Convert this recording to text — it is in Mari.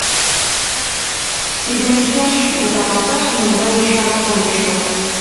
Тиде мучаш, утаралташ нимогай ӱшанат огеш код.